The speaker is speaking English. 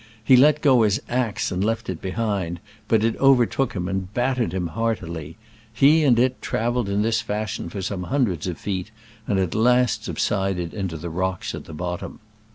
He let go his axe and left it behind, but it overtook him and bat ted him heartily. He and it traveled in this fashion for some hundreds of feet, and at last subsided into the rocks at the bottom.